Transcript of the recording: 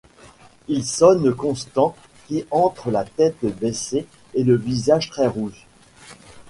Il sonne Constant qui entre la tête baissée et le visage très rouge.